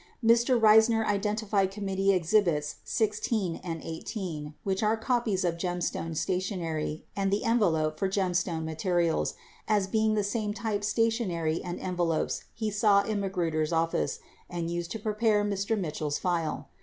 51 Mr. Eeisner identified committee exhibits 16 and 18, which are copies of Gemstone stationery and the envelope for Gemstone materials, as being the same type stationery and envelopes he saw in Magruder's office and used to prepare Mr. Mitchell's file.